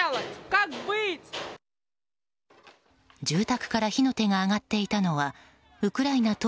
住宅から火の手が上がっていたのはウクライナ